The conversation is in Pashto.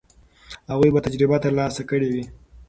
هغوی به تجربه ترلاسه کړې وي.